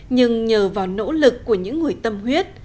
nhưng nhờ vào nỗ lực của những người tâm huyết